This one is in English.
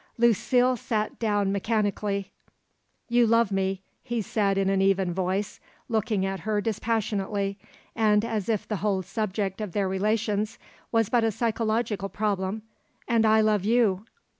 Lucile sat down mechanically. "You love me," he said in an even voice, looking at her dispassionately, and as if the whole subject of their relations was but a psychological problem, "and I love you."